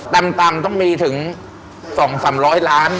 ต่ำต้องมีถึงสองสามร้อยล้าน